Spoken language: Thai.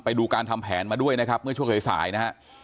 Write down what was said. ไปดูการทำแผนมาด้วยนะครับเมื่อช่วงสายสายนะฮะ